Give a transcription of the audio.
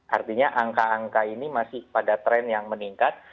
artinya angka angka ini masih pada tren yang meningkat